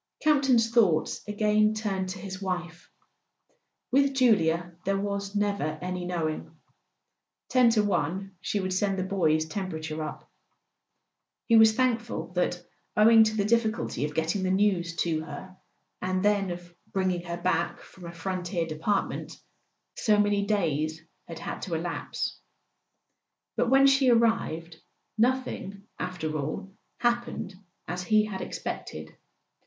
Campton's thoughts again turned to his wife. With Julia there was never any knowing. Ten to one she would send the boy's temperature up. He was thank¬ ful that, owing to the difficulty of getting the news to her, and then of bringing her back from a frontier de¬ partment, so many days had had to elapse. But when she arrived, nothing, after all, happened as he had expected.